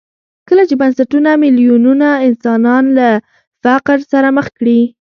کله چې بنسټونه میلیونونه انسانان له فقر سره مخ کړي.